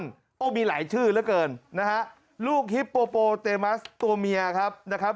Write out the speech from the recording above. โอ้โหมีหลายชื่อเหลือเกินนะฮะลูกฮิปโปโปเตมัสตัวเมียครับนะครับ